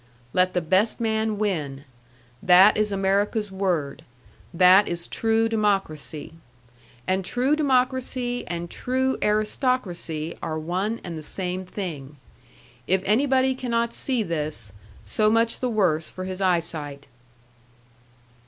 Let the best man win! That is America's word. That is true democracy. And true democracy and true aristocracy are one and the same thing. If anybody cannot see this, so much the worse for his eyesight.